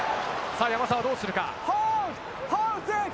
山沢、どうするか？